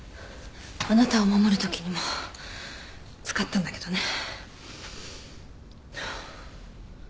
あなたを守るときにも使ったんだけどね。